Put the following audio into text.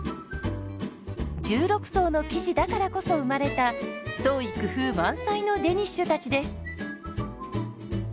１６層の生地だからこそ生まれた創意工夫満載のデニッシュたちです。